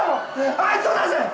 あいつを出せ！